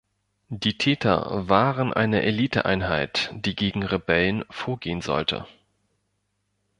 Die Täter waren eine Eliteeinheit, die gegen Rebellen vorgehen sollte.